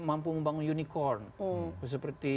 untuk membangun unicorn seperti